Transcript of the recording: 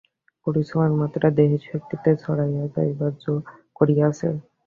পরিশ্রমের মাত্রা দেহের শক্তিকে ছাড়াইয়া যাইবার জো করিয়াছে।